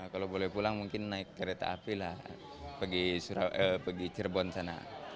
kalau boleh pulang mungkin naik kereta api lah pergi cirebon sana